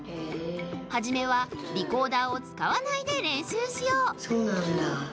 はじめはリコーダーをつかわないで練習しようそうなんだ。